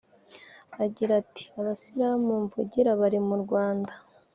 Agira ati “… abasilamu mvugira bari mu Rwanda